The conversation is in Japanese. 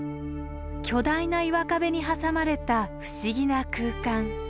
巨大な岩壁に挟まれた不思議な空間。